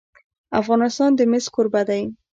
افغانستان د مس کوربه دی.